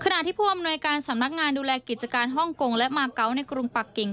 ที่ผู้อำนวยการสำนักงานดูแลกิจการฮ่องกงและมาเกาะในกรุงปักกิ่ง